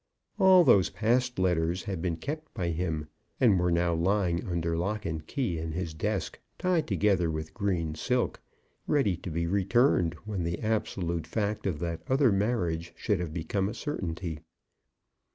All those past letters had been kept by him, and were now lying under lock and key in his desk, tied together with green silk, ready to be returned when the absolute fact of that other marriage should have become a certainty.